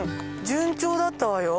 順調だったわよ。